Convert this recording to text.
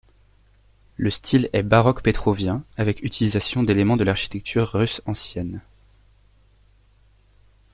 Le style est baroque pétrovien, avec utilisation d'éléments de l'architecture russe ancienne.